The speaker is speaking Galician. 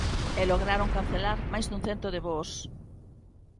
E lograron cancelar máis dun cento de voos.